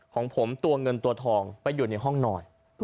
ของผมตัวเงินตัวทองไปอยู่ในห้องนอน